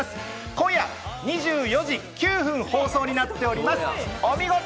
今夜２４時９分放送になっております。